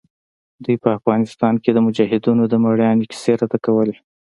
دوى به په افغانستان کښې د مجاهدينو د مېړانې کيسې راته کولې.